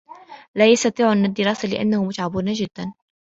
لا يستطيعون الدراسة لأنهم متعبون جدا.